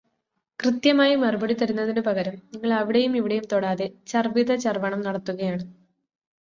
കൃത്യമായി മറുപടി തരുന്നതിനു പകരം നിങ്ങൾ അവിടെയും ഇവിടെയും തൊടാതെ ചർവിതചർവണം നടത്തുകയാണ്.